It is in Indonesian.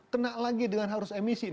kena lagi dengan harus emisi